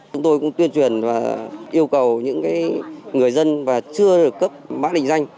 chúng tôi cũng tuyên truyền và yêu cầu những người dân chưa được cấp mã định danh